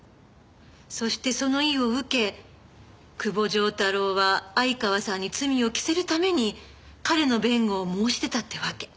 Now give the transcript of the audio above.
そしてその意を受け久保丈太郎は相川さんに罪を着せるために彼の弁護を申し出たってわけ。